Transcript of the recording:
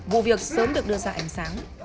vụ việc sớm được đưa ra ánh sáng